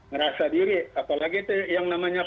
ngerasa diri apalagi itu yang namanya